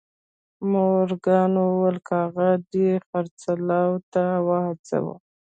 مورګان وویل که هغه دې خرڅلاو ته وهڅاوه